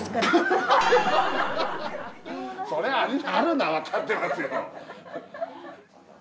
そりゃああるのは分かってますよ。